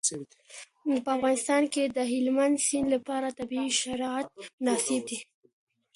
په افغانستان کې د هلمند سیند لپاره طبیعي شرایط مناسب دي.